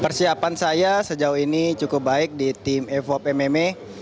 persiapan saya sejauh ini cukup baik di tim evop mma